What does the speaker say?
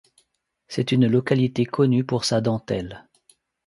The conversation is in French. C'est une localité connue pour sa dentelle.